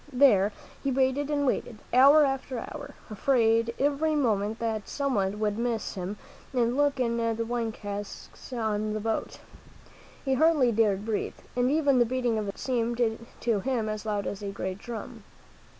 There he waited and waited, hour after hour, afraid every moment that someone would miss him and look in the wine casks on the boat. He hardly dared breathe, and even the beating of his heart seemed to him as loud as a great drum.